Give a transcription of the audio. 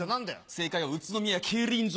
正解は宇都宮競輪場。